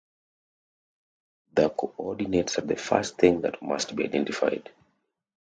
The coordinates are the first thing that must be identified.